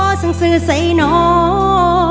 ส่งได้บอกสังสือใส่น้อง